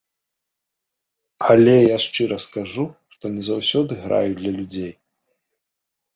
Але я шчыра скажу, што не заўсёды граю для людзей.